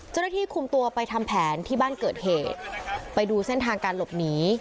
เจ้าหน้าที่คุมตัวไปทำแผนที่บ้านเกิดเหตุไปดูเส้นทางการหลบหนี